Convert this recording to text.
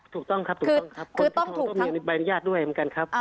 ถูกต้องครับคนที่ต้องต้องมีอนุญาตด้วยเหมือนกันครับ